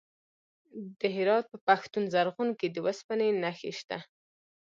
د هرات په پښتون زرغون کې د وسپنې نښې شته.